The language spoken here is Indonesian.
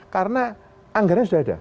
karena anggarannya sudah ada